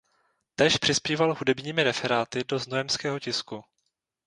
Též přispíval hudebními referáty do znojemského tisku.